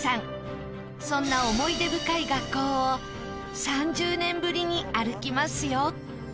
そんな思い出深い学校を３０年ぶりに歩きますよ。